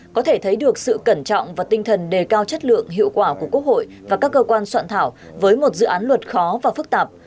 có thể thấy được sự cẩn trọng và tinh thần đề cao chất lượng hiệu quả của quốc hội và các cơ quan soạn thảo với một dự án luật khó và phức tạp